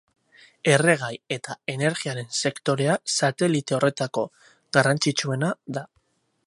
Erregai eta energiaren sektorea satelite horretako garrantzitsuena da.